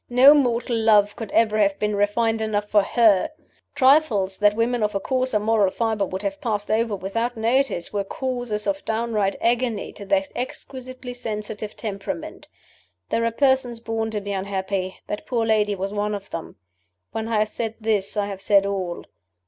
No mortal love could ever have been refined enough for her. Trifles which women of a coarser moral fiber would have passed over without notice, were causes of downright agony to that exquisitely sensitive temperament. There are persons born to be unhappy. That poor lady was one of them. When I have said this, I have said all.